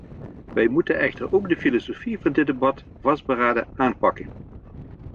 Wij moeten echter ook de filosofie van dit debat vastberaden aanpakken.